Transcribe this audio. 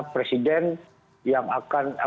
presiden yang akan